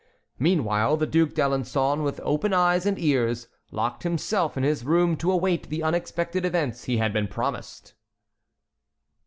Meanwhile the Duc d'Alençon, with open eyes and ears, locked himself in his room to await the unexpected events he had been promised.